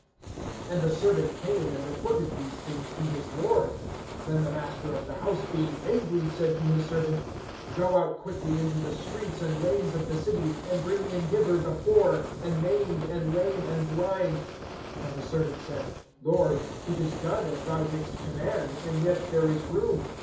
(21)And the servant came, and reported these things to his lord. Then the master of the house, being angry, said to his servant: Go out quickly into the streets and lanes of the city, and bring in hither the poor, and maimed, and lame, and blind. (22)And the servant said: Lord, it is done as thou didst command, and yet there is room.